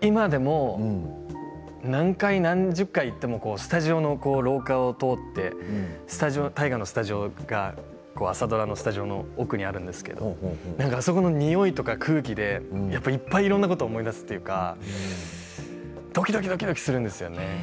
今でも何回、何十回行ってもスタジオの廊下を通って大河のスタジオが朝ドラのスタジオの奥にあるんですけれどそのにおいとか空気でいっぱいいろんなことを思い出すというかドキドキするんですよね。